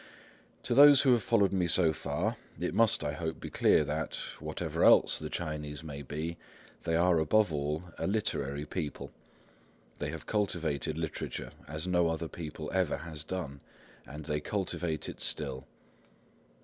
To those who have followed me so far, it must, I hope, be clear that, whatever else the Chinese may be, they are above all a literary people. They have cultivated literature as no other people ever has done, and they cultivate it still.